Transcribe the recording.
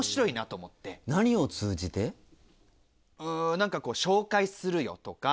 何かこう「紹介するよ」とか。